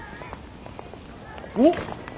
おっ！